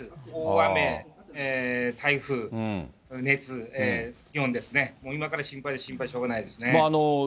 大雨、台風、熱、気温ですね、もう今から心配で心配でしょうがないですね。